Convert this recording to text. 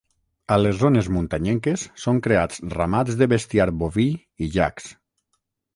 A les zones muntanyenques, són creats ramats de bestiar boví i iacs.